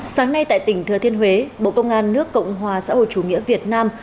sáng nay tại tỉnh thừa thiên huế bộ công an nước cộng hòa xã hội chủ nghĩa việt nam